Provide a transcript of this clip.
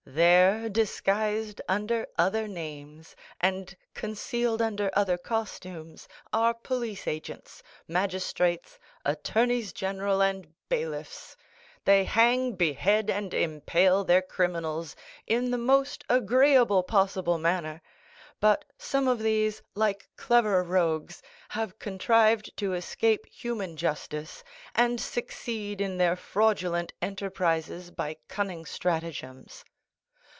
There, disguised under other names, and concealed under other costumes, are police agents, magistrates, attorneys general, and bailiffs. They hang, behead, and impale their criminals in the most agreeable possible manner; but some of these, like clever rogues, have contrived to escape human justice, and succeed in their fraudulent enterprises by cunning stratagems.